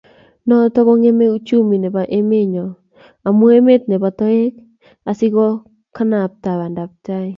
Noto kongemei uchumi nebo emenyo amu emet nebo toek asikokanabta bandaptai